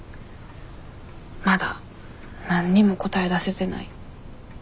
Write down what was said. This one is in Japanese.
まだ何にも答え出せてない。